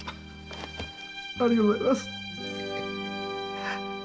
ありがとうございます！